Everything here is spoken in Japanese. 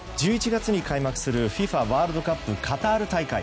１１月に開幕するＦＩＦＡワールドカップカタール大会。